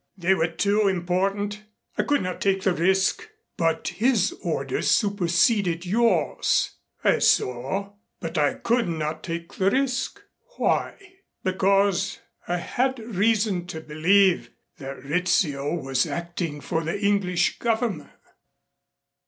"They were too important. I could not take the risk." "But his orders superseded yours." "I saw but I could not take the risk." "Why?" "Because I had reason to believe that Rizzio was acting for the English Government."